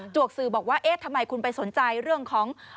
วกสื่อบอกว่าเอ๊ะทำไมคุณไปสนใจเรื่องของ